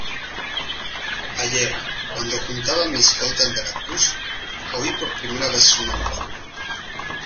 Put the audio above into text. ayer, cuando juntaba mi escolta en Veracruz , oí por primera vez su nombre...